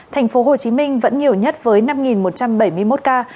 thành phố hồ chí minh vẫn nhiều nhất với năm một trăm bảy mươi một ca